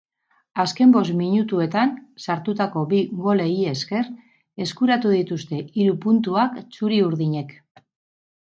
Azken bost minutuetan sartutako bi golei esker eskuratu dituzte hiru puntuak txuri-urdinek.